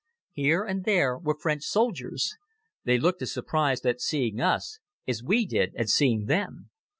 Here and there were French soldiers. They looked as surprised at seeing us as we did at seeing them.